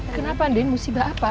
kenapa andin musibah apa